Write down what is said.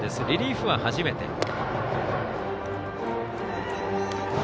リリーフは初めて。